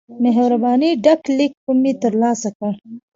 مهربانی ډک لیک مې ترلاسه کړ.